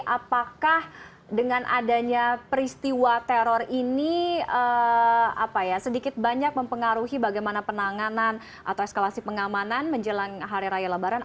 apakah dengan adanya peristiwa teror ini sedikit banyak mempengaruhi bagaimana penanganan atau eskalasi pengamanan menjelang hari raya lebaran